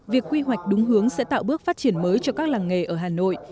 việc quy hoạch đúng hướng sẽ tạo bước phát triển mới cho các làng nghề ở hà nội